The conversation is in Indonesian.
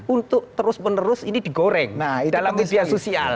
untuk terus menerus ini digoreng dalam media sosial